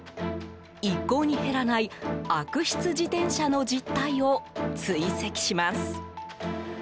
一向に減らない悪質自転車の実態を追跡します。